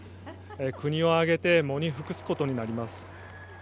国を挙げて喪に服すことになります。